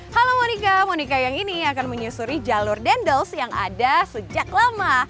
halo monika monika yang ini akan menyusuri jalur dendels yang ada sejak lama